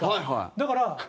だから。